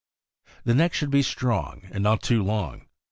The neck should be strong and not too long.